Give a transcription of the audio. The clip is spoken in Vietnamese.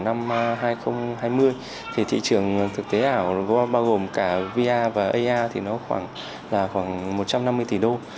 năm hai nghìn hai mươi thì thị trường thực tế ảo bao gồm cả vr và ar thì nó khoảng một trăm năm mươi tỷ đô